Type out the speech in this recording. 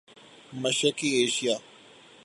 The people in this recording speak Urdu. مشرقی ایشیا